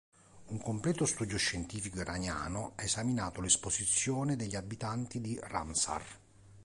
Un completo studio scientifico iraniano ha esaminato l'esposizione degli abitanti di Ramsar.